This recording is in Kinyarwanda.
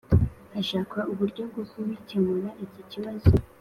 hashakwa uburyo bwo kubikemura iki kibazo